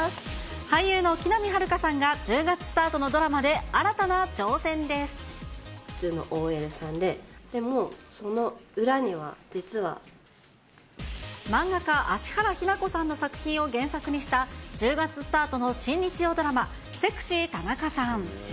俳優の木南晴夏さんが１０月スタートのドラマで新たな挑戦で普通のＯＬさんで、漫画家、芦原妃名子さんの作品を原作にした、１０月スタートの新日曜ドラマ、セクシー田中さん。